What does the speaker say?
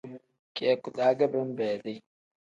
Kiyaku-daa ge benbeedi.